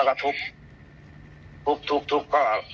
เขาก็ทุบทุบทุบทุบก็